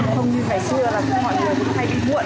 không như ngày xưa là mọi người cũng hay ý muộn